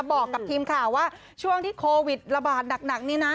บอกกับทีมข่าวว่าช่วงที่โควิดระบาดหนักนี่นะ